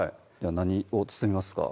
何を包みますか？